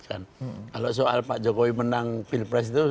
kalau soal pak jokowi menang pilpres itu